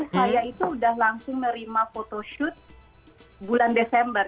saya itu udah langsung nerima photoshoot bulan desember